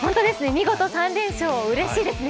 見事３連勝、うれしいですね。